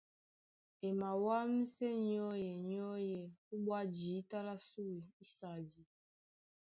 E mawámsɛ́ nyɔ́yɛ nyɔ́yɛ ó bwá jǐta lá sùe ísadi.